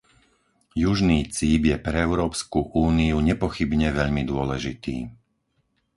Južný cíp je pre Európsku úniu nepochybne veľmi dôležitý.